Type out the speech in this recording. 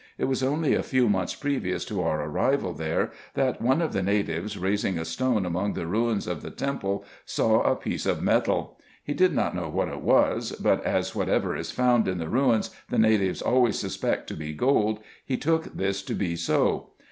It was only a few months previous to our arrival there, that one of the natives, raising a stone among the ruins of the temple, saw a piece of metal. He did not know what it was ; but as whatever is found in the ruins the natives always suspect to be gold, he took this to be so.